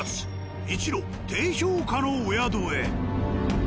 一路低評価のお宿へ。